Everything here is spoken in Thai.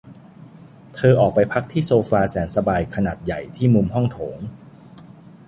เธอออกไปพักที่โซฟาแสนสบายขนาดใหญ่ที่มุมห้องโถง